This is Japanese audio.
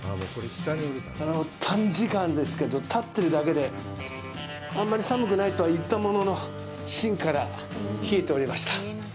短時間ですけど立ってるだけで、あんまり寒くないとは言ったものの芯から冷えておりました。